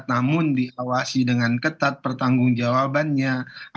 namun diawasi dengan ketat pertanggung jawabannya